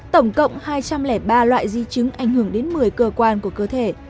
tổng cộng hai trăm linh ba loại di chứng ảnh hưởng đến một mươi cơ quan của cơ thể